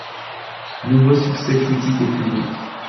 Nouveau succès critique et public.